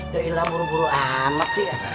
ya allah buru buru amat sih